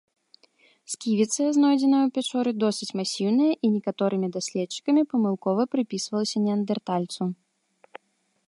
Сківіца, знойдзеная ў пячоры, досыць масіўная і некаторымі даследчыкамі памылкова прыпісвалася неандэртальцу.